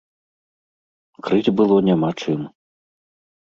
Крыць было няма чым.